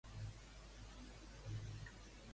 Hi passa un riu per allà?